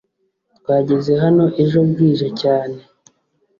Twageze hano ejo bwije cyane.